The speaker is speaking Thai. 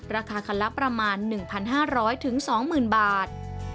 ราคาคันละประมาณ๑๕๐๐๒๐๐๐บาท